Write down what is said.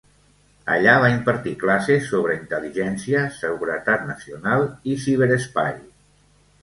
Allà va impartir classes sobre intel·ligència, seguretat nacional i ciberespai.